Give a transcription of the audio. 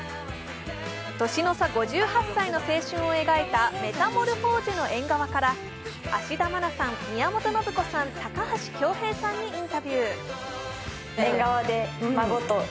年の差５８歳の青春を描いた「メタモルフォーゼの縁側」から芦田愛菜さん、宮本信子さん、高橋恭平さんにインタビュー。